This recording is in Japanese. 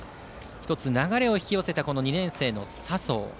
１つ、流れを引き寄せた２年生の佐宗。